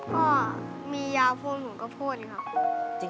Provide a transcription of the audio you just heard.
ก็มียาพูดหนูก็พูดครับ